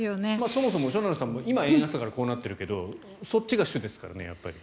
そもそも、しょなるさんも今、円安だからこうなっているけどそっちが主ですからね。